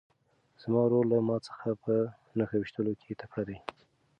زما ورور له ما څخه په نښه ویشتلو کې تکړه دی.